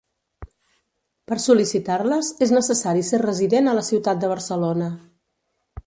Per sol·licitar-les, és necessari ser resident a la ciutat de Barcelona.